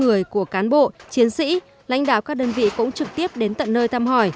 người của cán bộ chiến sĩ lãnh đạo các đơn vị cũng trực tiếp đến tận nơi thăm hỏi